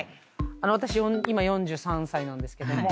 私今４３歳なんですけども。